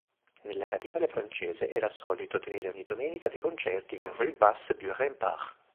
Nella capitale francese era solito tenere ogni domenica dei concerti in rue Basse-du-Rempart.